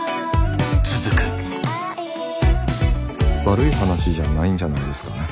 悪い話じゃないんじゃないですかね。